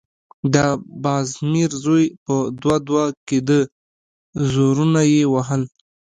د بازمير زوی په دوه_ دوه کېده، زورونه يې وهل…